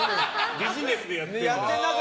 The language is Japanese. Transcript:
ビジネスでやってるなと。